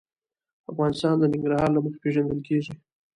افغانستان د ننګرهار له مخې پېژندل کېږي.